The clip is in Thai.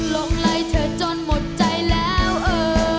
ลงไลน์เธอจนหมดใจแล้วเออ